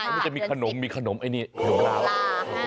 มันจะมีขนมมีขนมตุลาคม